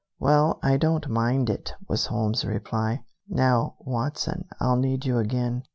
"Well, I don't mind it," was Holmes's reply. "Now, Watson, I'll need you again.